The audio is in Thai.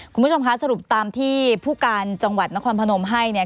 คุณผู้ชมคะสรุปตามที่ผู้การจังหวัดนครพนมให้เนี่ย